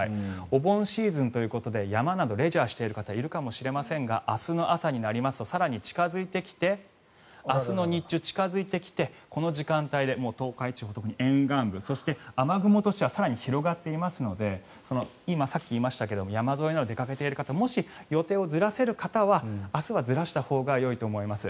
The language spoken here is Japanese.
お盆シーズンということで山など、レジャーしている方いるかもしれませんが明日の朝になりますと更に近付いてきて明日の日中近付いてきてこの時間帯でもう東海地方、特に沿岸部そして雨雲としては更に広がっていますのでさっき言いましたけれど山沿いのほう出かけている方もし予定をずらせる方は明日はずらしたほうがよいと思います。